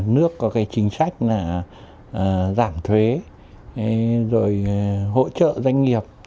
nước có cái chính sách là giảm thuế rồi hỗ trợ doanh nghiệp